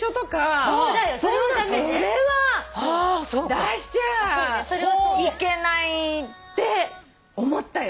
出しちゃいけないって思ったよ。